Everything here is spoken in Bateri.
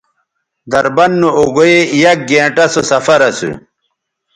دربند نو اوگئ یک گھنٹہ سو سفر اسو